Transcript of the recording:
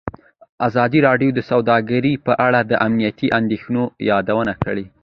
ازادي راډیو د سوداګري په اړه د امنیتي اندېښنو یادونه کړې.